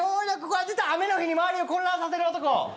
出た、雨の日に周りを混乱させる男。